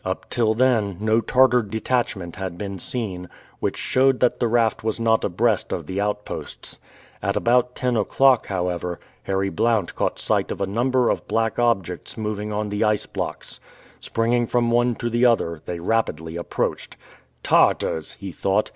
Up till then, no Tartar detachment had been seen, which showed that the raft was not abreast of the outposts. At about ten o'clock, however, Harry Blount caught sight of a number of black objects moving on the ice blocks. Springing from one to the other, they rapidly approached. "Tartars!" he thought.